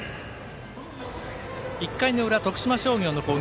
１回の裏、徳島商業の攻撃。